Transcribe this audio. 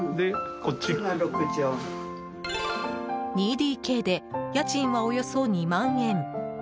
２ＤＫで家賃はおよそ２万円。